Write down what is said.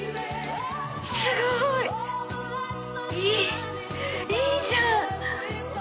すごい！いい。いいじゃん。